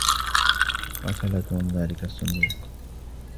ركل توم ذلك الصندوق.